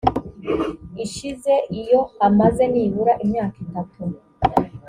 ishize iyo amaze nibura imyaka itatu